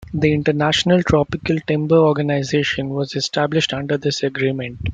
The International Tropical Timber Organization was established under this agreement.